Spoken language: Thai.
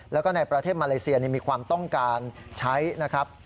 แล้วก็ในประเทศมาเลเซียมีความต้องการใช้นะครับ